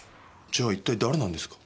じゃあ一体誰なんですか？